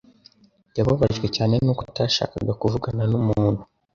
Yababajwe cyane nuko atashakaga kuvugana numuntu